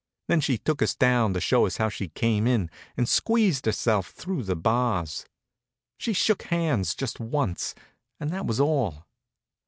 Then she took us down to show us how she came in, and squeezed herself through the bars. They shook hands just once, and that was all.